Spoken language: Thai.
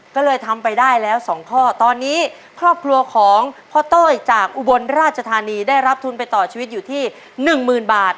ก็เลยทำไปได้แล้ว๒ข้อตอนนี้ครอบครัวของพ่อเต้ยจากอุบลราชธานีได้รับทุนไปต่อชีวิตอยู่ที่หนึ่งหมื่นบาท